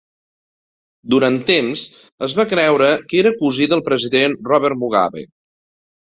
Durant temps es va creure que era cosí del president Robert Mugabe.